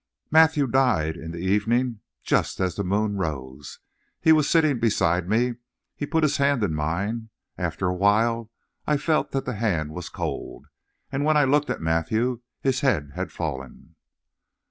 "Matthew died in the evening just as the moon rose. He was sitting beside me. He put his hand in mine. After a while I felt that the hand was cold, and when I looked at Matthew his head had fallen.